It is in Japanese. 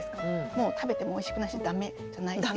もう食べてもおいしくないし駄目じゃないですか。